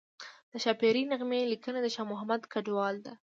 د ښاپیرۍ نغمې لیکنه د شاه محمود کډوال ده